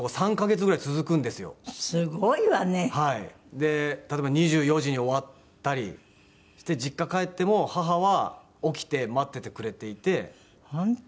で例えば２４時に終わったりして実家帰っても母は起きて待っててくれていて。本当？